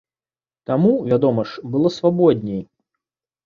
Таму, вядома ж, было свабодней!